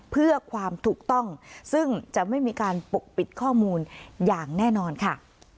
เพื่อความถูกต้องซึ่งจะไม่มีการปกปิดข้อมูลอย่างแน่นอนค่ะ